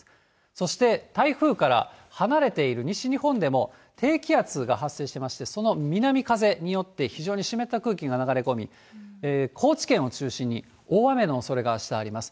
そして台風から離れている西日本でも、低気圧が発生していまして、その南風によって、非常に湿った空気が流れ込み、高知県を中心に大雨のおそれがあしたあります。